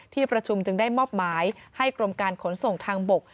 ที่ประชุมจึงได้มอบหมายให้กรมการขนส่งทางบก